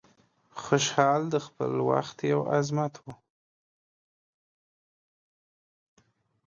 خوشحال د خپل وخت یو عظمت و.